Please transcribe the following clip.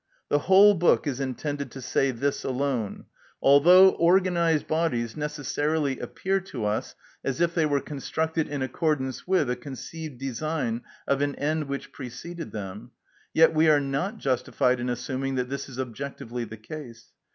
The whole book is intended to say this alone: although organised bodies necessarily appear to us as if they were constructed in accordance with a conceived design of an end which preceded them, yet we are not justified in assuming that this is objectively the case.